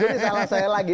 jadi salah saya lagi